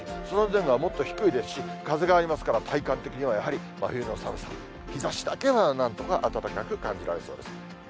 その前後はもっと低いですし、風がありますから、体感的にはやはり真冬の寒さ、日ざしだけはなんとか暖かく感じられそうです。